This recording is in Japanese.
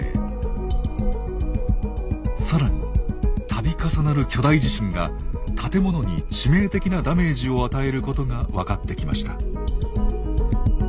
更に度重なる巨大地震が建物に致命的なダメージを与えることが分かってきました。